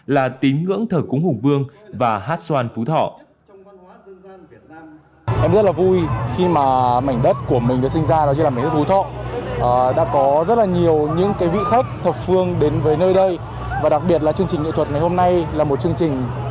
là tính ngưỡng thờ cúng hùng vương phú thọ đã được unesco công nhận là di sản văn hóa phi vật thể